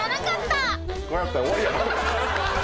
こうやったら終わりや。